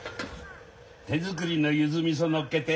手作りのゆずみそ乗っけて。